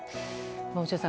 落合さん